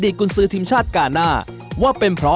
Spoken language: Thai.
กุญสือทีมชาติกาหน้าว่าเป็นเพราะ